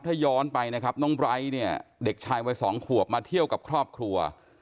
ถ้าย้อนไปนะครับน้องไบร์ทเนี่ยเด็กชายวัยสองขวบมาเที่ยวกับครอบครัว